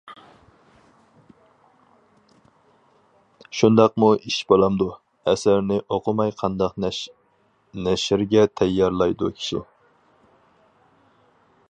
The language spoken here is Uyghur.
شۇنداقمۇ ئىش بولامدۇ؟ ئەسەرنى ئوقۇماي قانداق نەشرگە تەييارلايدۇ كىشى؟ !